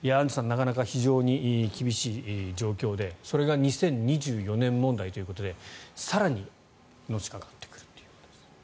なかなか非常に厳しい状況でそれが２０２４年問題ということで更にのしかかってくるという。